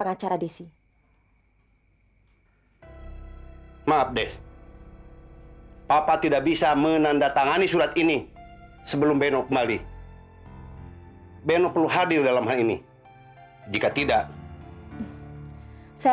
gak ada rumah peluduk